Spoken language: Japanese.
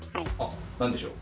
何でしょう？